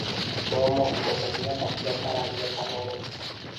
Muammosi ko‘rsatilgan tashkilotlar aybini tan olib